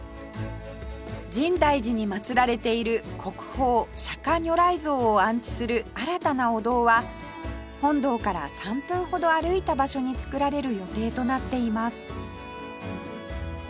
深大寺に祀られている国宝釈如来像を安置する新たなお堂は本堂から３分ほど歩いた場所に造られる予定となっています